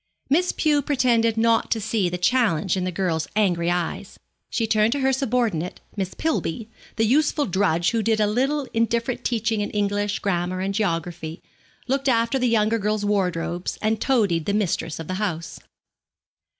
Miss Pew pretended not to see the challenge in the girl's angry eyes. She turned to her subordinate, Miss Pillby, the useful drudge who did a little indifferent teaching in English grammar and geography, looked after the younger girls' wardrobes, and toadied the mistress of the house.